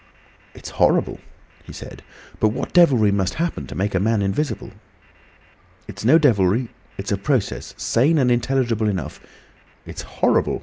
"It's horrible," he said. "But what devilry must happen to make a man invisible?" "It's no devilry. It's a process, sane and intelligible enough—" "It's horrible!"